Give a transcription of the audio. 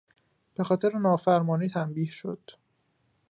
به خاطر نافرمانی تنبیه شد.